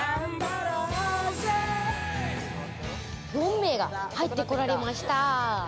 ４名が入ってこられました。